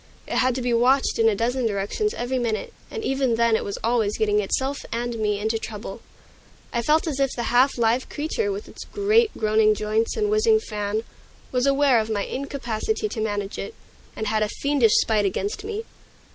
It had to be watched in a dozen directions every minute, and even then it was always getting itself and me into trouble. I felt as if the half live creature, with its great, groaning joints and whizzing fan, was aware of my incapacity to manage it, and had a fiendish spite against me.